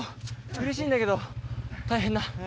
うれしいんだけど大変だ。